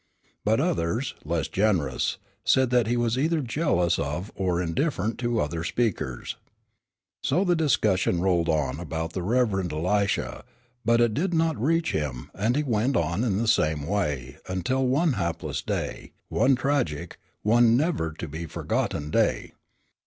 But others, less generous, said that he was either jealous of or indifferent to other speakers. So the discussion rolled on about the Rev. Elisha, but it did not reach him and he went on in the same way until one hapless day, one tragic, one never to be forgotten day.